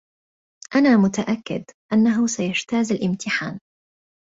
أنا متأكد أنّه سيجتاز الامتحان.